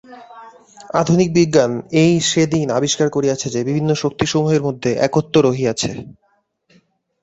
আধুনিক বিজ্ঞান এই সে-দিন আবিষ্কার করিয়াছে যে, বিভিন্ন শক্তিসমূহের মধ্যে একত্ব রহিয়াছে।